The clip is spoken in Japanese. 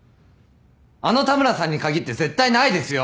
あの田村さんに限って絶対ないですよ！